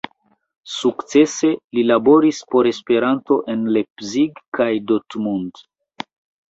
Sukcese li laboris por Esperanto en Leipzig kaj Dortmund.